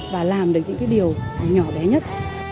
làm được những cái điều nhỏ bé nhất